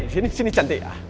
sini sini cantik